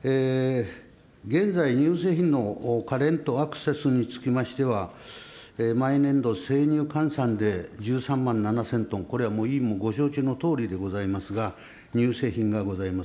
現在、乳製品のカレント・アクセスにつきましては、毎年度、生乳換算で１３万７０００トン、これは委員ご承知のとおりでございますけれども、乳製品がございます。